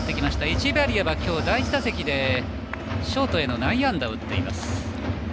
エチェバリアはきょう第１打席でショートへの内野安打を打っています。